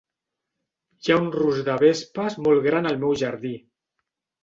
Hi ha un rusc de vespes molt gran al meu jardí.